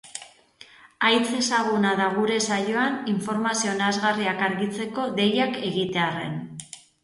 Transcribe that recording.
Haitz ezaguna da gure saioan informazio nahasgarriak argitzeko deiak egitearren.